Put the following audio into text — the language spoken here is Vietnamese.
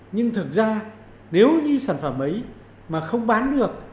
nhưng thực ra nếu như sản phẩm ấy mà không bán được